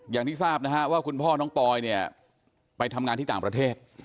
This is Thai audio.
อย่างที่ทราบนะฮะว่าคุณพ่อน้องปอยเนี่ยไปทำงานที่ต่างประเทศ